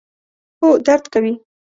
هو، درد کوي